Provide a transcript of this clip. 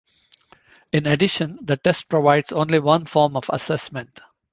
In addition, the test provides only one form of assessment.